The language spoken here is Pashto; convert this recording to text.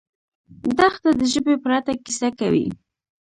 دښته د ژبې پرته کیسه کوي.